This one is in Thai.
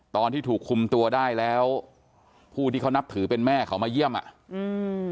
ตอนที่ถูกคุมตัวได้แล้วผู้ที่เขานับถือเป็นแม่เขามาเยี่ยมอ่ะอืม